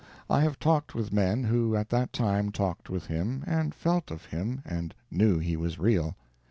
I have talked with men who at that time talked with him, and felt of him, and knew he was real.